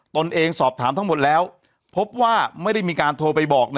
ตนเองสอบถามทั้งหมดแล้วพบว่าไม่ได้มีการโทรไปบอก